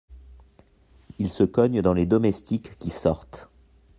Il se cogne dans les domestiques qui sortent.